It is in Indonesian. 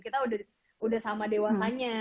kita udah sama dewasanya